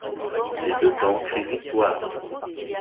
Les deux camps crient victoire.